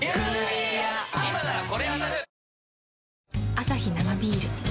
アサヒ生ビール